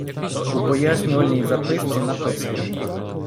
У пояснювальній записці написано.